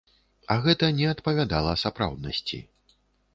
А гэта не адпавядала сапраўднасці.